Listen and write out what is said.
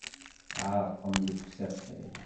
Tɛerqemt deg usafag.